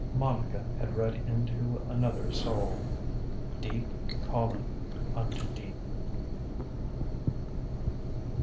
MONICA had read into another soul. DEEP calling unto deep.